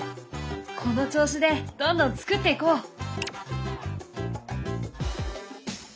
この調子でどんどん作っていこう！